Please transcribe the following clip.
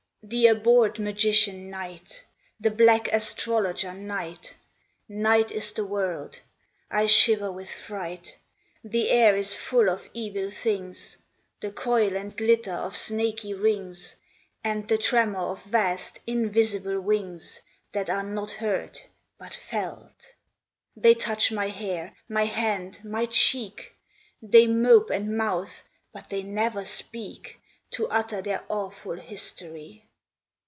the abhorred magician Night! The black astrologer Night! Night is the world! I shiver with fright: The air is full of evil things, The coil and glitter of snaky rings, And, the tremor of vast invisible wings, That are not heard but felt: They touch my hair, my hand, my cheek, They mope and mouth, but they never speak To utter their awful history.